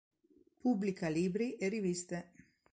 Pubblica libri e riviste.